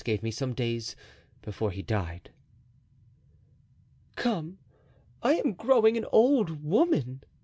gave me some days before he died." "Come, I am growing an old woman!"